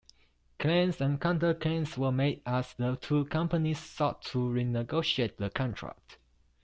Claims and counter-claims were made as the two companies sought to renegotiate the contract.